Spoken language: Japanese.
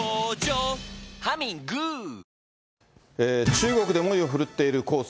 中国で猛威を振るっている黄砂。